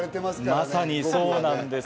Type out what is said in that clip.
まさにそうなんです。